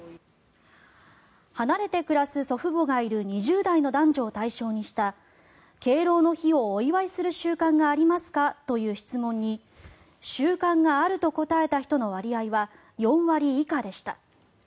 離れて暮らす祖父母がいる２０代の男女を対象にした敬老の日をお祝いする習慣がありますかという質問に習慣があると答えた人の割合は４割以下でした。